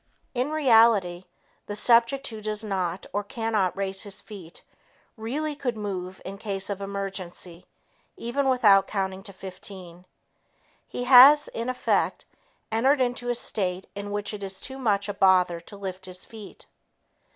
In reality, the subject who does not or cannot raise his feet really could move in case of emergency, even without counting to 15. He has, in effect, entered into a state in which it is too much bother to lift his feet.